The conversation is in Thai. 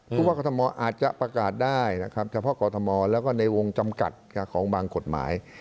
ผู้ว่ากรทมอาจจะประกาศได้นะครับเฉพาะกรทมแล้วก็ในวงจำกัดของบางกฎหมาย